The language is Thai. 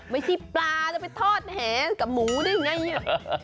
ไม่ใช่ปลาจะไปทอดแหกับหมูได้ไง